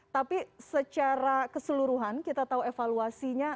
tapi secara keseluruhan kita tahu evaluasinya